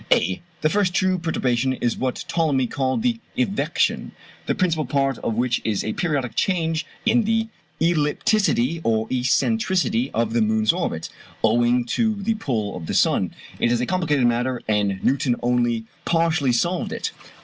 (a) The first true perturbation is what Ptolemy called "the evection," the principal part of which is a periodic change in the ellipticity or excentricity of the moon's orbit, owing to the pull of the sun. It is a complicated matter, and Newton only partially solved it.